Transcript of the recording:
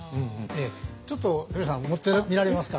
ちょっと冨永さん持ってみられますか？